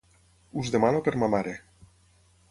Us demano per ma mare.